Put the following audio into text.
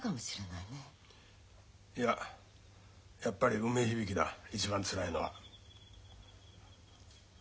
いややっぱり梅響だ一番つらいのは。